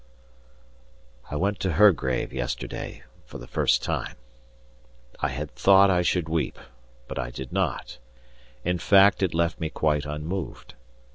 I went to her grave yesterday for the first time. I had thought I should weep, but I did not; in fact it left me quite unmoved.